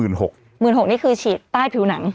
นี่คือฉีดใต้ผิวหนัง